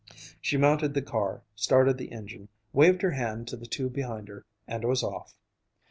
She mounted the car, started the engine, waved her hand to the two behind her, and was off.